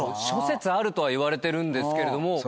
諸説あるとはいわれてるんですけれども。